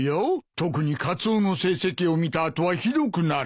特にカツオの成績を見た後はひどくなる。